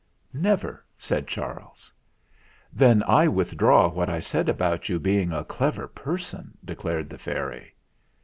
"Never," said Charles. "Then I withdraw what I said about you being a clever person," declared the fairy.